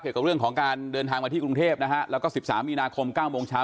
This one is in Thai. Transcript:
กับเรื่องของการเดินทางมาที่กรุงเทพนะฮะแล้วก็๑๓มีนาคม๙โมงเช้า